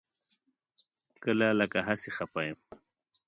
کله لکه هسې خپه یم.